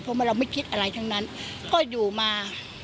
เพราะว่าเราไม่คิดอะไรทั้งนั้นก็อยู่มา